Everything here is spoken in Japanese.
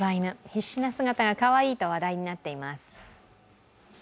必死な姿がかわいいと話題になっています。